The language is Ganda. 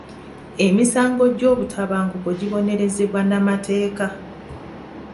Emisango gy'obutabanguko gibonerezebwa na mateeka.